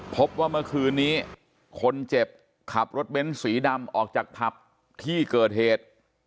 พบว่าเมื่อคืนนี้คนเจ็บขับรถเบ้นสีดำออกจากผับที่เกิดเหตุ